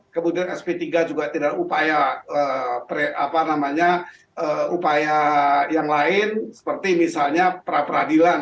kemudian sp tiga juga tidak ada upaya yang lain seperti misalnya pra peradilan